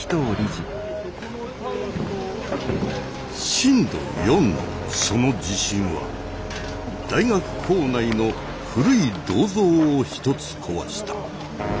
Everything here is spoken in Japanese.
震度４のその地震は大学構内の古い銅像を一つ壊した。